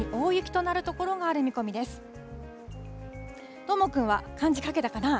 どーもくんは漢字書けたかな？